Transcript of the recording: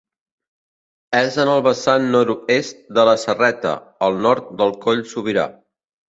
És en el vessant nord-est de la Serreta, al nord del Coll Sobirà.